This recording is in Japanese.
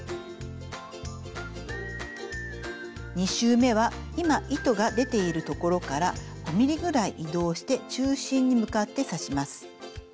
２周めは今糸が出ている所から５ｍｍぐらい移動して中心に向かって刺します。